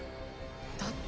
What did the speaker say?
だって。